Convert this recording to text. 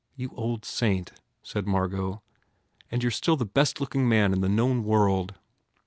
"You old saint," said Margot, "and you re still the best looking man in the known world!"